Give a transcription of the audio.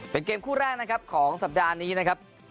เป็นเกมคู่แรกนะครับของสัปดาห์นี้นะครับ